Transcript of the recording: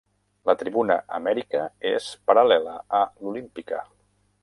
La tribuna "Amèrica" és paral·lela a l'"Olímpica".